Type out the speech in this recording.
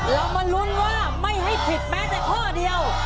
เรามาลุ้นว่าไม่ให้ผิดแม้แต่ข้อเดียว